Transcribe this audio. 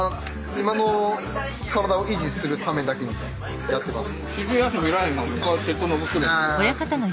今の体を維持するためだけにやってます。